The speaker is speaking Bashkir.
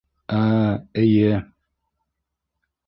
- Ә, эйе...